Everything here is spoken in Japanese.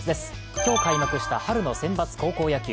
今日開幕した春の選抜高校野球。